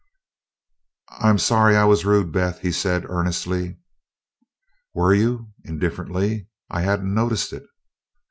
"I am sorry I was rude, Beth," he said earnestly. "Were you?" indifferently. "I hadn't noticed it."